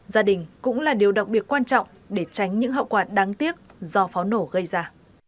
gia đình cũng là điều đặc biệt quan trọng để tránh những hậu quả đáng tiếc do pháo nổ gây ra